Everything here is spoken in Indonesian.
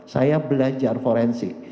saya belajar forensik